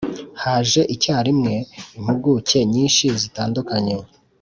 haje icyarimwe impuguke nyinshi zitandukanye